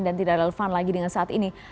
dan tidak relevan lagi dengan saat ini